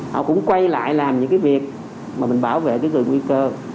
họ cũng quay lại làm những cái việc mà mình bảo vệ cái người nguy cơ